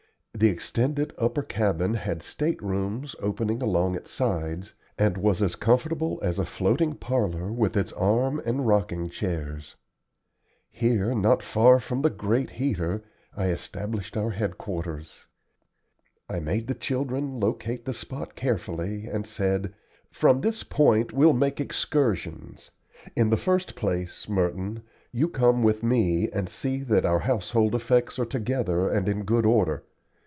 The extended upper cabin had state rooms opening along its sides, and was as comfortable as a floating parlor with its arm and rocking chairs. Here, not far from the great heater, I established our headquarters. I made the children locate the spot carefully, and said: "From this point we'll make excursions. In the first place, Merton, you come with me and see that all our household effects are together and in good order.